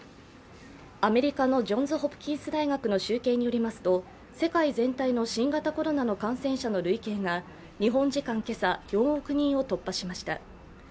アメリカのジョンズ・ホプキンス大学の集計によりますと世界全体の新型コロナの感染者の累計が日本時間、今朝４億人を突破しました。